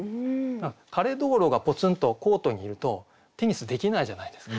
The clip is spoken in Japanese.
枯蟷螂がポツンとコートにいるとテニスできないじゃないですか。